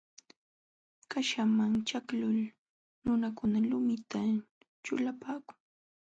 Qaśhaman ćhaqlul nunakuna lumita ćhulapaakun.